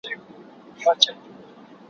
له ستړیا له بېخوبیه لکه مړی